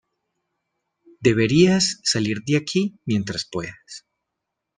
Deberías salir de aquí mientras puedas.